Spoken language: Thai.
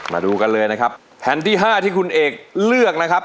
มาดูกันเลยนะครับแผ่นที่๕ที่คุณเอกเลือกนะครับ